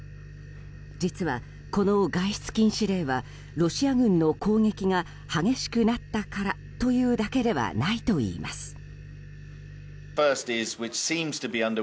実は、この外出禁止令はロシア軍の攻撃が激しくなったからというだけではないといいます。